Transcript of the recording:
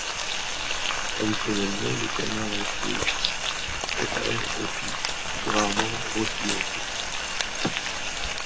Traditionnellement, le canard était préparé en confit, plus rarement rôti entier.